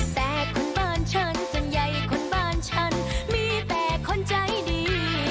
แต่คนบ้านฉันส่วนใหญ่คนบ้านฉันมีแต่คนใจดี